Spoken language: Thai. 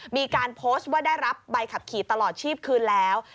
มีการโพสต์ว่าได้รับใบขับขี่ตลอดชีพคืนแล้ว